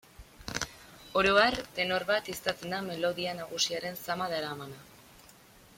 Oro har, tenor bat izaten da melodia nagusiaren zama daramana.